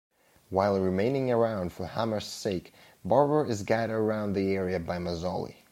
While remaining around for Hammer's sake, Barbara is guided around the area by Mazzoli.